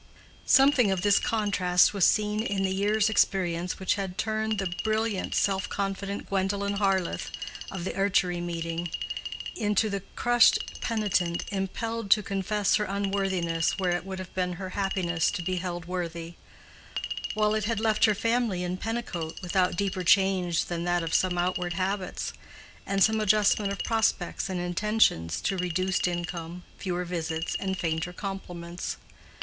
Something of this contrast was seen in the year's experience which had turned the brilliant, self confident Gwendolen Harleth of the Archery Meeting into the crushed penitent impelled to confess her unworthiness where it would have been her happiness to be held worthy; while it had left her family in Pennicote without deeper change than that of some outward habits, and some adjustment of prospects and intentions to reduced income, fewer visits, and fainter compliments.